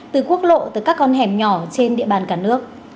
từ quốc lộ tới các con hẻm nhỏ trên địa bàn cả nước